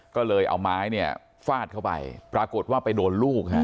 ก็เลยเอาไม้เนี่ยฟาดเข้าไปปรากฏว่าไปโดนลูกฮะ